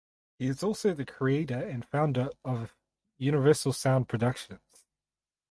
He is also the creator and founder of Universal Sound Productions.